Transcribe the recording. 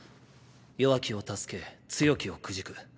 弱きを助け強きをくじく。